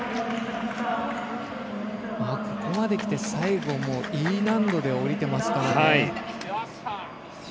ここまできて最後Ｅ難度で下りてますからね。